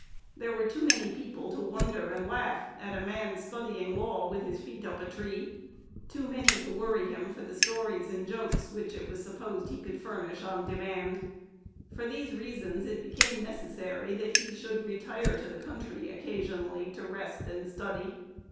There were too many people to wonder and laugh at a man studying law with "his feet up a tree;" too many to worry him for the stories and jokes which it was supposed he could furnish on demand. For these reasons it became necessary that he should "retire to the country occasionally to rest and study."